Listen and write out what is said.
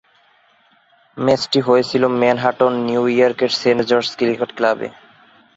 ম্যাচটি হয়েছিলো Manhattan, New York এর সেন্ট জর্জ ক্রিকেট ক্লাবে।